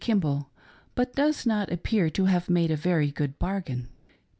Kimball, but does not appear to have made a very good bargain.